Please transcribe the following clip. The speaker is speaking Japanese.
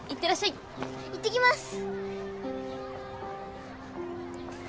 いってきます。